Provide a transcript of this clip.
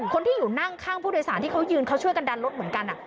คนที่อยู่นั่งข้างผู้โดยสารที่เขายืนเขาช่วยกันดันรถเหมือนกัน